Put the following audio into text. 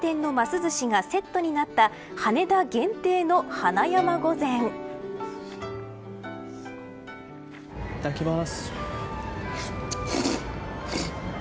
ずしがセットになったいただきます。